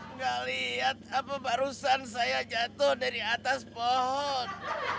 nggak lihat apa barusan saya jatuh dari atas pohon